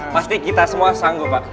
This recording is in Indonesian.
pasti kita semua sanggup pak